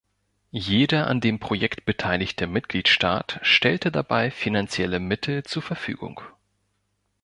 Jeder an dem Projekt beteiligte Mitgliedstaat stellte dabei finanzielle Mittel zur Verfügung.